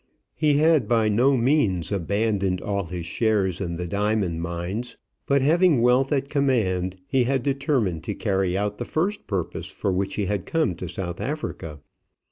He had by no means abandoned all his shares in the diamond mines; but having wealth at command, he had determined to carry out the first purpose for which he had come to South Africa.